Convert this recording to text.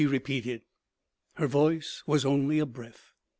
repeated. Her voice was only a breath.